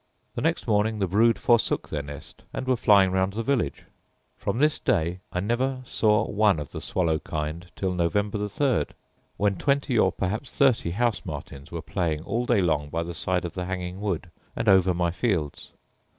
The next morning the brood forsook their nest, and were flying round the village. From this day I never saw one of the swallow kind till November the third; when twenty, or perhaps thirty, house martins were playing all day long by the side of the hanging wood, and over my fields.